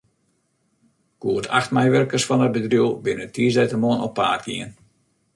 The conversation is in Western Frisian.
Goed acht meiwurkers fan it bedriuw binne tiisdeitemoarn op paad gien.